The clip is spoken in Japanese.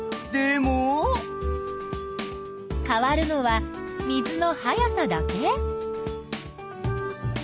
変わるのは水の速さだけ？